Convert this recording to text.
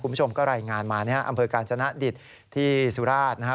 คุณผู้ชมก็รายงานมาอำเภอการจนดิตที่สุราชฯ